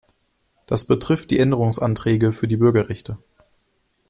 Das betrifft die Änderungsanträge für die Bürgerrechte.